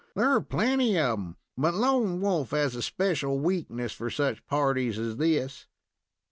there are plenty of 'em, but Lone Wolf has a special weakness for such parties as this."